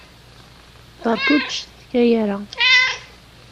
Beṛka ur ttcetkay ara!